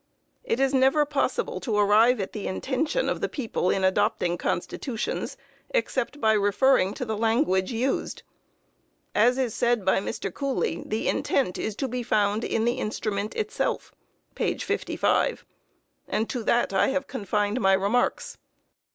It is never possible to arrive at the intention of the people in adopting constitutions, except by referring to the language used. As is said by Mr. Cooley, "the intent is to be found in the instrument itself" (p. 55), and to that I have confined my remarks.